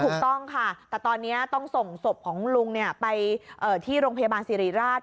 ถูกต้องค่ะแต่ตอนนี้ต้องส่งศพของลุงไปที่โรงพยาบาลสิริราช